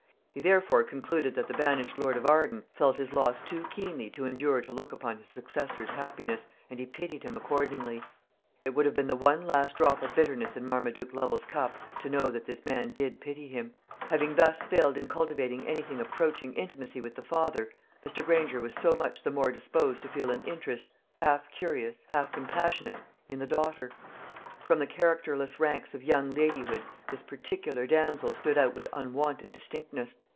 He therefore concluded that the banished lord of Arden felt his loss too keenly to endure to look upon his successor's happiness, and he pitied him accordingly. It would have been the one last drop of bitterness in Marmaduke Lovel's cup to know that this man did pity him. Having thus failed in cultivating anything approaching intimacy with the father, Mr. Granger was so much the more disposed to feel an interest half curious, half compassionate in the daughter. From the characterless ranks of young ladyhood this particular damsel stood out with unwonted distinctness.